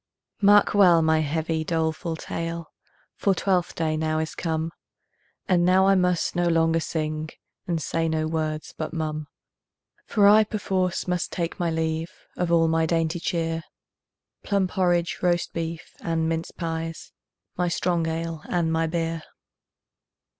Mark well my heavy, doleful tale, For Twelfth day now is come, And now I must no longer sing, And say no words but mum; For I perforce must take my leave Of all my dainty cheer, Plum porridge, roast beef, and minced pies, My strong ale and my beer.